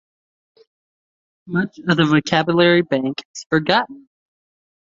Much of the vocabulary bank is forgotten.